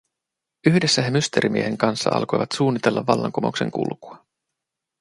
Yhdessä he Mysteerimiehen kanssa alkoivat suunnitella vallankumouksen kulkua.